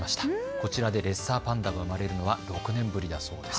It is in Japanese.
こちらでレッサーパンダが生まれるのは６年ぶりです。